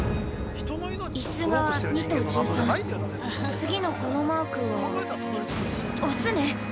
「イス」が２と１３、次のこのマークは「オス」ね。